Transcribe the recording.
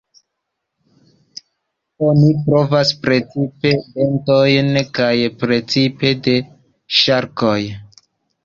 Oni trovas precipe dentojn, kaj precipe de ŝarkoj.